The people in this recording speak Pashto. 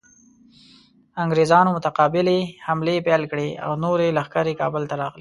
انګریزانو متقابلې حملې پیل کړې او نورې لښکرې کابل ته راغلې.